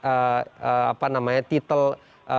titel profesional ini kan tidak bisa juga dipisahkan irisan